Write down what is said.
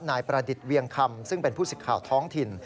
นายประดิษฐ์เวียงคำซึ่งเป็นผู้สิทธิ์ข่าวท้องถิ่น